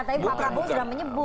tapi pak prabowo sudah menyebut